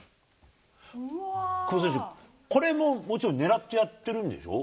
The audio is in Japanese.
久保選手、これももちろん狙ってやってるんでしょ？